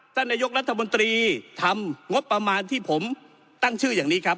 ท่านนายกรัฐมนตรีทำงบประมาณที่ผมตั้งชื่ออย่างนี้ครับ